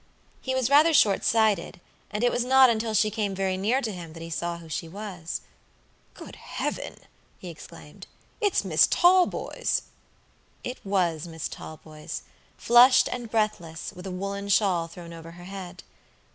He was rather short sighted, and it was not until she came very near to him that he saw who she was. "Good Heaven!" he exclaimed, "it's Miss Talboys." It was Miss Talboys, flushed and breathless, with a woolen shawl thrown over her head.